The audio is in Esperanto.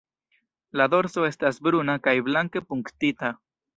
La dorso estas bruna kaj blanke punktita.